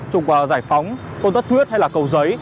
trục giải phóng côn tất thuyết hay là cầu giấy